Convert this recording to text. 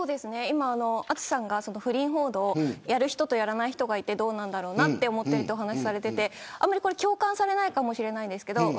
淳さんが、不倫報道をやる人とやらない人がいてどうなんだろうなと話されていて共感されないかもしれないんですけど。